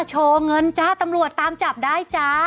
โชว์เงินจ้าตำรวจตามจับได้จ้า